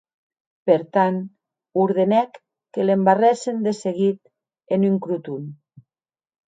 Per tant, ordenèc que l’embarrèssen de seguit en un croton.